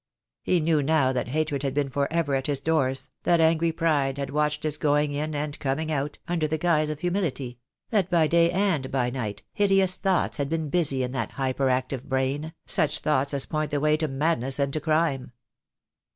He knew now that hatred had been for ever at his doors, that angry pride had watched his going in and coming out, under the guise of humility — that by day and by night hideous thoughts had been busy in that hyper active brain, such thoughts as point the way to madness and to crime.